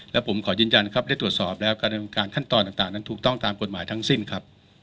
และผมขอยืนยันครับได้ตรวจสอบแล้วการดำเนินการขั้นตอนต่างนั้นถูกต้องตามกฎหมายทั้งสิ้นครับ